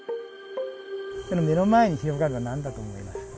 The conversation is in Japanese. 目の前に広がるのは何だと思いますか？